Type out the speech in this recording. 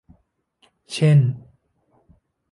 เช่น